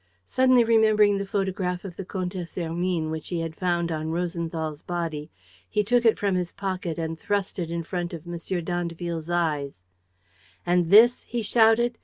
Suddenly remembering the photograph of the Comtesse Hermine which he had found on Rosenthal's body, he took it from his pocket and thrust it in front of M. d'Andeville's eyes: "And this?" he shouted.